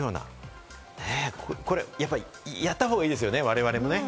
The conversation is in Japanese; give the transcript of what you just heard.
これ、やったほうがいいですよね、我々も。